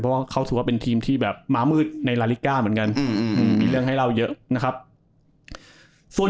เพราะว่าเขาถือว่าเป็นทีมที่แบบมามืดในราลิก้าเหมือนกัน